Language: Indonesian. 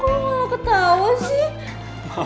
koloh ketawa sih